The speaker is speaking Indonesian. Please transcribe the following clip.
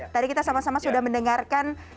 tadi kita sama sama sudah mendengarkan